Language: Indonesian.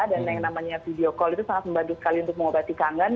dan yang namanya video call itu sangat bagus sekali untuk mengobati kangen